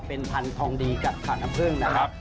ก็เป็นพันธุ์ทองดีกับขาวน้ำผึ้งนะครับ